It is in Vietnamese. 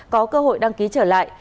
có cơ hội đăng ký trở lại